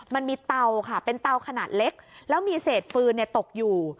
มันมีเตาค่ะเป็นเตาขนาดเล็กแล้วมีเศษฟืนตกอยู่